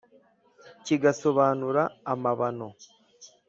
Kigasobanura amabano